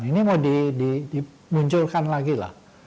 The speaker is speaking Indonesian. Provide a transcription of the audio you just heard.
ini mau dimunculkan lagi lah